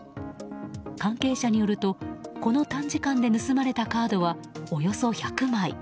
関係者によるとこの短時間で盗まれたカードはおよそ１００枚。